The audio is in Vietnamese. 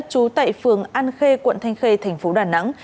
chú tại phường an khê quận thanh khê tp đà nẵng